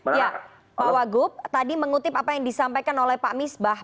ya pak wagub tadi mengutip apa yang disampaikan oleh pak misbah